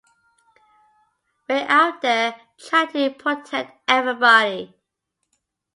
We're out there trying to protect everybody.